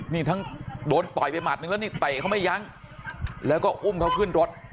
นี่ทั้งโดนต่อยไปหัดนึงแล้วนี่เตะเขาไม่ยั้งแล้วก็อุ้มเขาขึ้นรถ